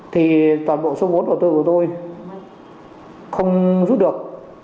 thì toàn bộ số vốn đầu tư của tôi không rút được